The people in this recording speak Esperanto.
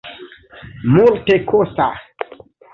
multekosta